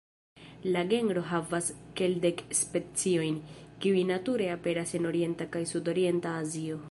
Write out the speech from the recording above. La genro havas kelkdek speciojn, kiuj nature aperas en orienta kaj sudorienta Azio.